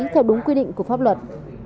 theo đúng quy định của pháp luật